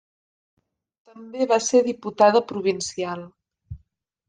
També va ser diputada provincial.